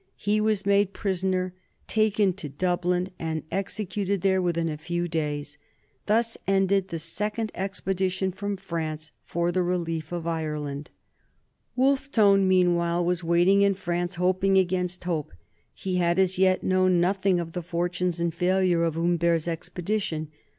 He was made prisoner, taken to Dublin, and executed there within a few days. Thus ended the second expedition from France for the relief of Ireland. Wolfe Tone meanwhile was waiting in France, hoping against hope. He had as yet known nothing of the fortunes and failure of Humbert's expedition.